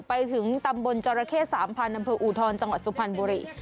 ไปถึงตำบลจรเคศ๓พอุทรจังหวัดสุพรรณบุรี